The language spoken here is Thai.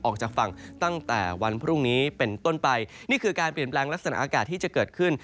ออกจากฝั่งตั้งแต่วันพรุ่งนี้เป็นต้นไปนี่คือการเปลี่ยนแปลงลักษณะอากาศที่จะเกิดขึ้น